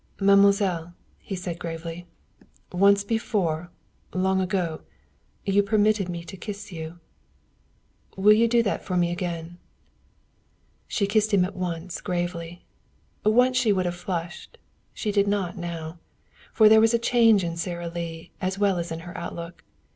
"Mademoiselle," he said gravely, "once before, long ago, you permitted me to kiss you. Will you do that for me again?" She kissed him at once gravely. Once she would have flushed. She did not now. For there was a change in Sara Lee as well as in her outlook.